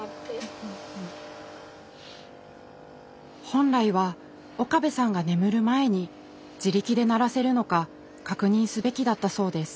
本来は岡部さんが眠る前に自力で鳴らせるのか確認すべきだったそうです。